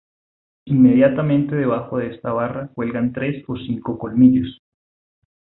Inmediatamente debajo de esta barra cuelgan tres o cinco "colmillos".